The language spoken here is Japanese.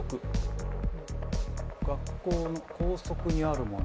学校の校則にあるもの。